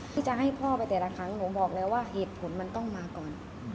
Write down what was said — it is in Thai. ที่จะให้พ่อไปแต่ละครั้งหนูบอกแล้วว่าเหตุผลมันต้องมาก่อน